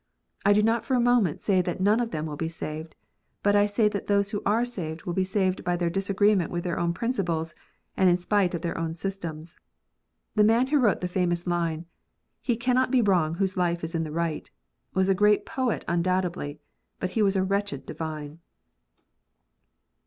I do not for a moment say that none of them will be saved ; but I say that those who are saved will be saved by their disagreement with their own principles, and in spite of their own systems. The man who wrote the famous line, "He can t be wrong whose life is in the right," was a great poet undoubtedly, but he was a wretched divine.